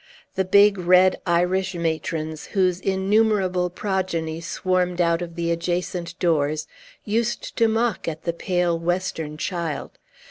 The big, red, Irish matrons, whose innumerable progeny swarmed out of the adjacent doors, used to mock at the pale Western child.